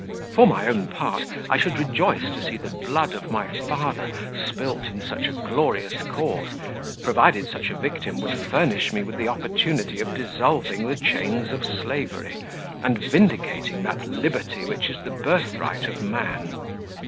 For my own part, I should rejoice to see the blood of my father spilt in such a glorious cause, provided such a victim would furnish me with the opportunity of dissolving the chains of slavery, and vindicating that liberty which is the birthright of man.